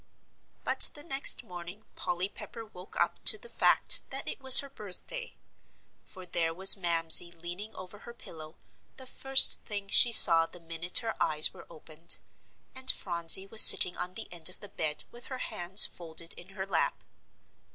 But the next morning Polly Pepper woke up to the fact that it was her birthday. For there was Mamsie leaning over her pillow, the first thing she saw the minute her eyes were opened. And Phronsie was sitting on the end of the bed with her hands folded in her lap.